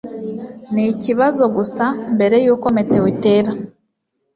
ni ikibazo gusa mbere yuko meteor itera